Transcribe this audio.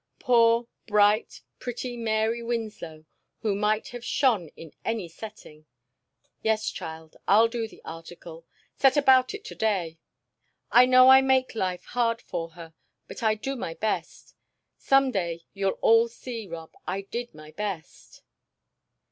Poor, bright, pretty Mary Winslow, who might have shone in any setting! Yes, child, I'll do the article set about it to day. I know I make life hard for her, but I do my best. Some day you'll all see, Rob, I did my best."